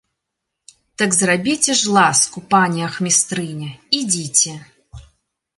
Так зрабіце ж ласку, пане ахмістрыня, ідзіце!